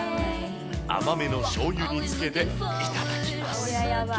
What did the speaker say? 甘めのしょうゆにつけて、頂きます。